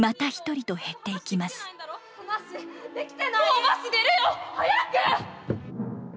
もうバス出るよ！早く！